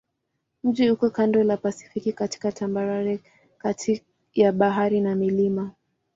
Mji uko kando la Pasifiki katika tambarare kati ya bahari na milima.